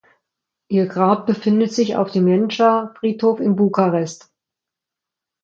Ihr Grab befindet sich auf dem Ghencea-Friedhof in Bukarest.